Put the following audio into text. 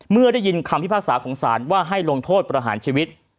เมื่อได้ยินคำพิพากษาของศาลว่าให้ลงโทษประหารชีวิต